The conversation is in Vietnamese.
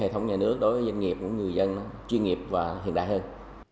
hệ thống nhà nước đối với doanh nghiệp người dân chuyên nghiệp và hiện đại hơn